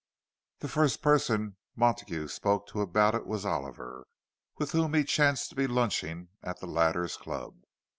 The first person Montague spoke to about it was Oliver, with whom he chanced to be lunching, at the latter's club.